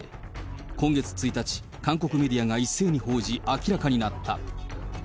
今月１日、韓国メディアが一斉に報じ、明らかになった。